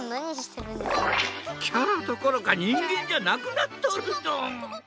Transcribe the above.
キャラどころかにんげんじゃなくなっとるドン！